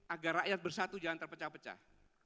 agar rakyat bersatu jangan terpecah pecah